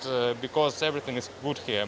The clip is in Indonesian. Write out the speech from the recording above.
karena semuanya baik di sini